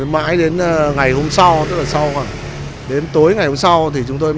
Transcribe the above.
mãi đến ngày hôm sau tức là sau khoảng đến tối ngày hôm sau